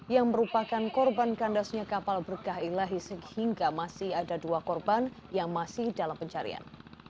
yang merupakan korban kandasnya kapal berkah ilahi sehingga masih ada dua korban yang masih dalam pencarian